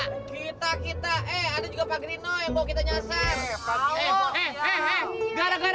ada kita kita eh ada juga pak gerindo yang mau kita nyasar